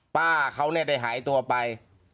ป้าเขาได้หายตัวไป